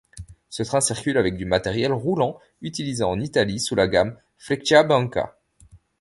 Ce train circule avec du matériel roulant utilisé en Italie sous la gamme Frecciabianca.